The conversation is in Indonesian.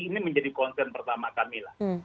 ini menjadi concern pertama kami lah